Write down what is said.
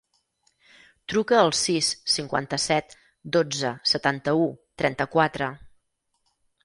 Truca al sis, cinquanta-set, dotze, setanta-u, trenta-quatre.